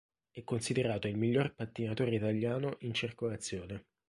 È considerato il miglior pattinatore italiano in circolazione.